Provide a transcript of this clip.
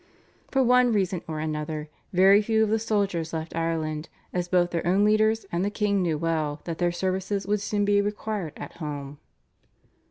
For one reason or another very few of the soldiers left Ireland, as both their own leaders and the king knew well that their services would be soon required at home.